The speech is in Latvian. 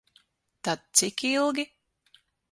Tad cik ilgi?